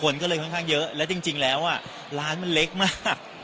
และจริงล้านมันเล็กมาก